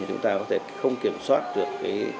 chúng ta có thể không kiểm soát được